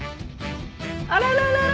あらららら？